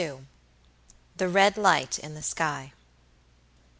THE RED LIGHT IN THE SKY.